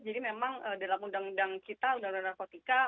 jadi memang dalam undang undang kita undang undang narkotika